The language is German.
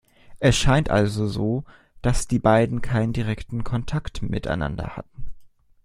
Es scheint also so, dass die beiden keinen direkten Kontakt miteinander hatten.